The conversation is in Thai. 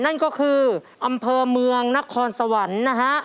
นั่นก็คืออำเภอเมืองนครสวรรค์นะฮะ